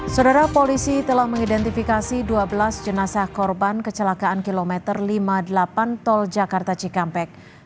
saudara polisi telah mengidentifikasi dua belas jenazah korban kecelakaan km lima puluh delapan tol jakarta cikampek